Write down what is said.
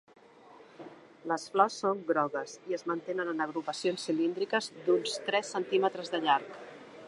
Les flors són grogues i es mantenen en agrupacions cilíndriques d'uns tres centímetres de llarg.